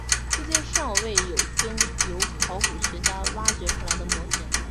至今尚未有经由考古学家挖掘出来的模型。